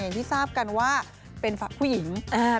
อย่างที่ทราบกันว่าเป็นผู้หญิงอ่า